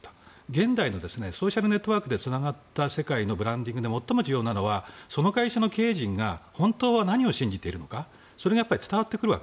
現代のソーシャルネットワークでつながった世界のブランディングで最も重要なのがその会社の経営陣が本当は何を信じているのか。